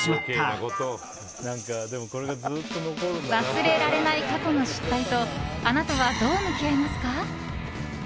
忘れられない過去の失態とあなたはどう向き合いますか？